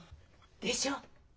でしょう？